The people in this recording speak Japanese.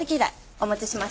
お持ちしました。